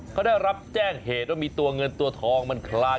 เขาได้รับแจ้งเหตุว่ามีตัวเงินตัวทองมันคลาย